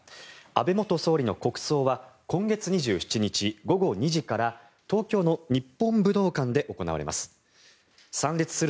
安倍元総理の国葬は今月２７日午後２時から東京の日本武道館で行われます。